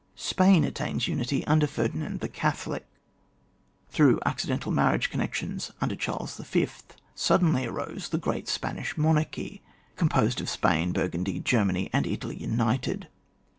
Spain attains to unity under Ferdinand the Catholic; through accidental mar riage connections, under Charles Y., sud denly arose the great Spanish monarchy, composed of Spain, Burgundy, Germany, and Italy united.